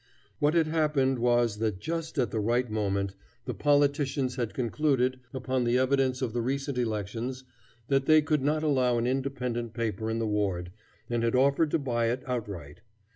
What had happened was that just at the right moment the politicians had concluded, upon the evidence of the recent elections, that they could not allow an independent paper in the ward, and had offered to buy it outright.